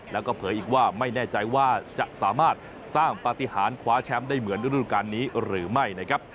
แล้วก็เผยอีกว่าไม่แน่ใจว่าจะสามารถสร้างปฏิหารคว้าแชมป์ได้เหมือนฤดูการนี้หรือไม่นะครับ